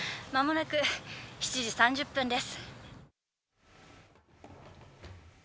まもなく７時３０分です。